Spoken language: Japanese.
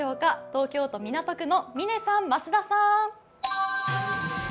東京都港区の嶺さん、増田さん。